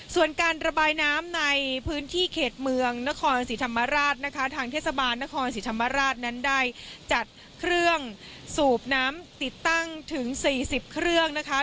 ส่วนการระบายน้ำในพื้นที่เขตเมืองนครศรีธรรมราชนะคะทางเทศบาลนครศรีธรรมราชนั้นได้จัดเครื่องสูบน้ำติดตั้งถึง๔๐เครื่องนะคะ